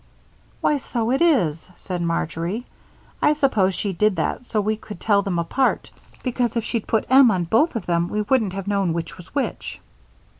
"Why, so it is," said Marjory. "I suppose she did that so we could tell them apart, because if she'd put M on both of them we wouldn't have known which was which."